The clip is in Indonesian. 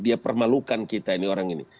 dia permalukan kita ini orang ini